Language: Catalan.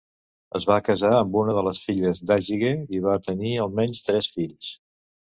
Es va casar amb una de les filles d'Ajige i va tenir, almenys, tres fills.